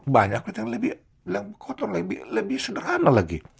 banyak yang lebih kotor lebih sederhana lagi